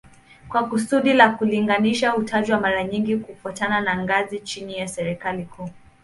Kwa kusudi la kulinganisha hutajwa mara nyingi kufuatana na ngazi chini ya serikali kuu